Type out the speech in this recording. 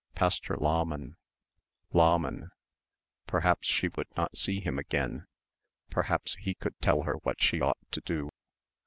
Pastor Lahmann Lahmann perhaps she would not see him again. Perhaps he could tell her what she ought to do.